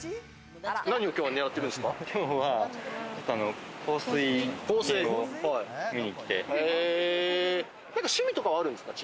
何を今日はねらってるんですか？